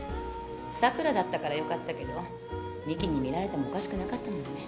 桜だったからよかったけど美樹に見られてもおかしくなかったもんね。